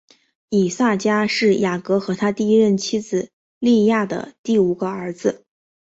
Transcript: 以萨迦是雅各和他第一任妻子利亚的第五个儿子。